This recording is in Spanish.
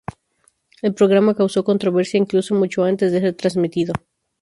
El programa causó controversia incluso mucho antes de ser transmitido.